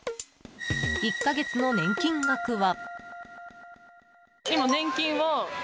１か月の年金額は。